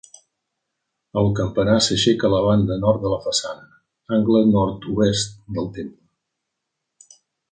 El campanar s'aixeca a la banda nord de la façana, angle nord-oest del temple.